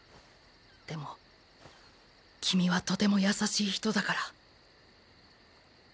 でも君はとても優しい人だから。